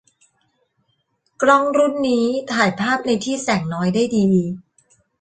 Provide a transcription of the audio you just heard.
กล้องรุ่นนี้ถ่ายภาพในที่แสงน้อยได้ดี